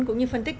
cũng như phân tích